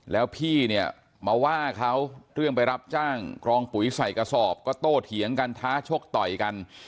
แล้วพี่เนี่ยมาว่าเขาเรื่องไปรับจ้างกรองปุ๋ยใส่กระสอบก็โตเถียงกันท้าชกต่อยกัน